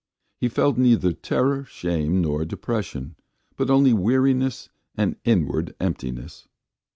He felt neither terror, shame, nor depression, but only weariness and inward emptiness.